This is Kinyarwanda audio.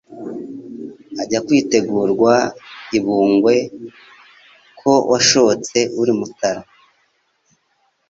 Ajya kwitegurwa i Bungwe ko washotse uri Mutara,